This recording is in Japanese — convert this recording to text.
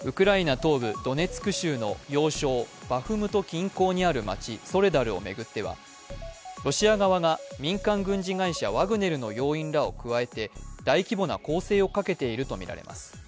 東部ドネツク州の要衝バフムト近郊にある町、ソレダルを巡っては、ロシア側が民間軍事会社ワグネルの要員らを加えて大規模な攻勢をかけているとみられます。